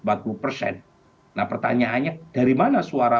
nah pertanyaannya dari mana suara